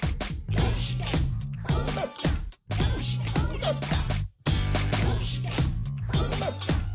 どうしてこうなった？」